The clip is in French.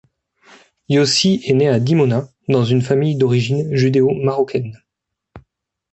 Yossi est né à Dimona dans une famille d'origine judéo-marocaine.